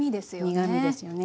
苦みですよね。